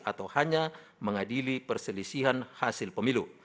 atau hanya mengadili perselisihan hasil pemilu